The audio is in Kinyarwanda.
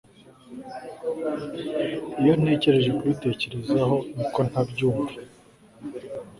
iyo ntekereje kubitekerezaho, niko ntabyumva